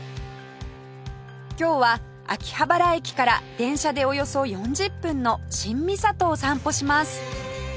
今日は秋葉原駅から電車でおよそ４０分の新三郷を散歩します